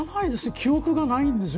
記憶がないんですよ。